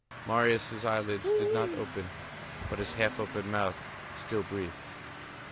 Marius' eyelids did not open; but his half open mouth still breathed.